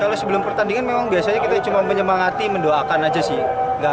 kalau sebelum pertandingan memang biasanya kita cuma menyemangati mendoakan aja sih